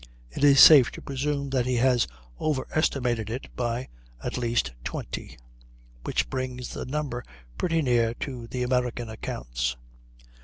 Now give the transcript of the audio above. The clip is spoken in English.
it is safe to presume that he has overestimated it by at least 20, which brings the number pretty near to the American accounts.